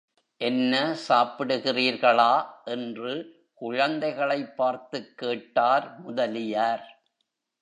என்ன, சாப்பிடுகிறீர்களா? என்று குழந்தைகளைப் பார்த்துக் கேட்டார் முதலியார்.